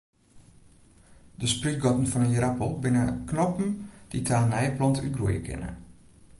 De sprútgatten fan in ierappel binne knoppen dy't ta in nije plant útgroeie kinne.